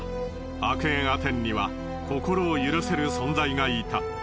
アクエンアテンには心を許せる存在がいた。